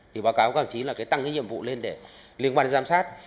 thì báo cáo các hợp chí là tăng cái nhiệm vụ lên để liên quan đến giám sát